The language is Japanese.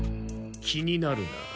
気になるな。